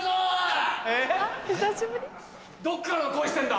どっから声してんだ？